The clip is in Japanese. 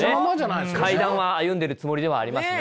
階段は歩んでるつもりではありますね。